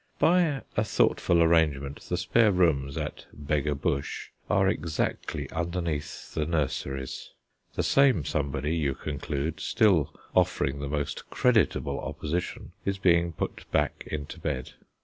By a thoughtful arrangement the spare rooms at "Beggarbush" are exactly underneath the nurseries. The same somebody, you conclude, still offering the most creditable opposition, is being put back into bed.